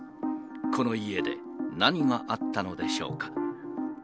この家で何があったのでしょうか。